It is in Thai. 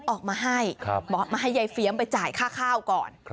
ออกมาให้มาให้ยายเฟียมไปจ่ายค่าข้าวก่อน